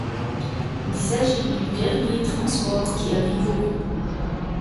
Il s'agit du dernier transport qui arrive au camp.